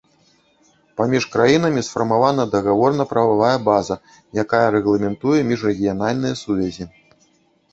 Паміж краінамі сфарміравана дагаворна-прававая база, якая рэгламентуе міжрэгіянальныя сувязі.